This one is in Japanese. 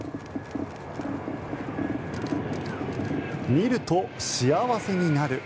見ると幸せになる。